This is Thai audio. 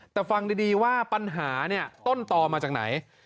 แต่ฟังดีว่าปัญหาเนี่ยต้นต่อมาจากไหน